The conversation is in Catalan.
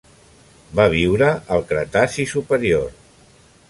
Va viure al Cretaci superior.